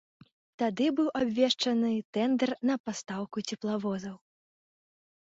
Тады быў абвешчаны тэндэр на пастаўку цеплавозаў.